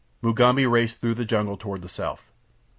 Mugambi raced through the jungle toward the south.